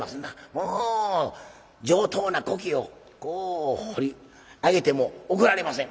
もう上等な古木をこう掘り上げても怒られません。